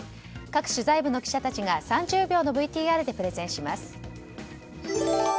各取材部の記者たちが３０秒のＶＴＲでプレゼンします。